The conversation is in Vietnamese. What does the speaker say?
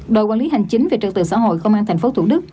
đội quản lý hành chính về trận tựa xã hội công an tp thủ đức